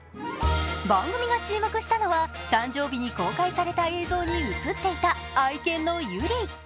番組が注目したのは、誕生日に公開された映像に映っていた愛犬の由莉。